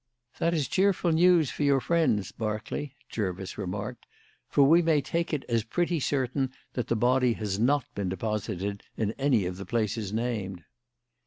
"That is cheerful for your friends, Berkeley," Jervis remarked, "for we may take it as pretty certain that the body has not been deposited in any of the places named."